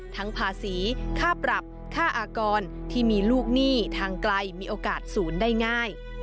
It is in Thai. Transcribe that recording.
ภาษีค่าปรับค่าอากรที่มีลูกหนี้ทางไกลมีโอกาสศูนย์ได้ง่าย